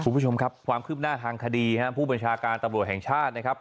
คุณผู้ชมครับความคืบหน้าทางคดีครับผู้บัญชาการตำรวจแห่งชาตินะครับ